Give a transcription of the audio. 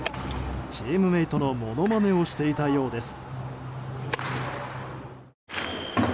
チームメートのものまねをしていたようです。